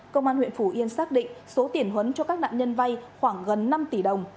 công an huyện phủ yên xác định số tiền huấn cho các nạn nhân vay khoảng gần năm tỷ đồng